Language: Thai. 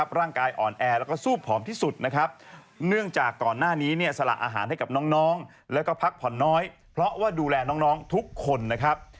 ร่างกายอ่อนแอแล้วก็สู้ผอมที่สุดนะครับเนื่องจากก่อนหน้านี้เนี่ยสละอาหารให้กับน้องแล้วก็พักผ่อนน้อยเพราะว่าดูแลน้องทุกคนนะครับ